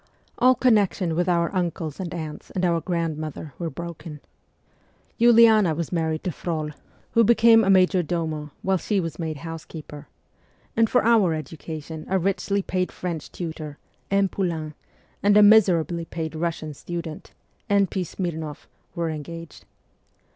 All connection with our uncles and aunts and our grandmother were broken. Uliana was married to Frol, who became a VOL. i. c 18 MEMOIRS OF A REVOLUTIONIST major domo, while she was made housekeeper ; and for our education a richly paid French tutor, M. Poulain, and a miserably paid Russian student, N. P. Smirnoff, were engaged.